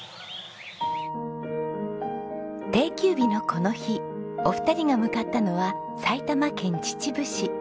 定休日のこの日お二人が向かったのは埼玉県秩父市。